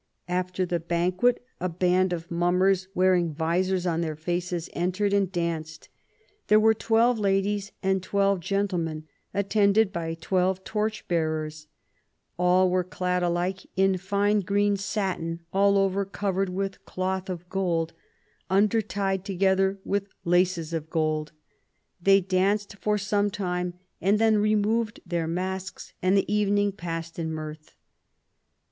After the banquet a band of Ill THE UNIVERSAL PEACE 49 muminers, wearing visors on their faces, entered and danced. There were twelve ladies and twelve gentle men, attended by twelve torch bearers; all were clad alike "in fine green satin, all over covered with cloth of gold, undertied together with laces of gold." They danced for some time and then removed their masks, and the evening passed in mirth.